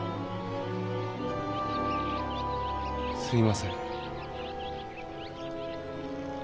すいません。